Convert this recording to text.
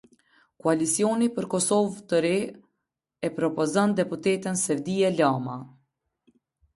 Koalicioni për Kosovë të Re, e propozon deputeten Sevdije Lama.